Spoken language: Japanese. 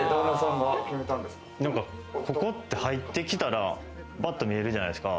ここって、入って来たらパッと見えるじゃないですか。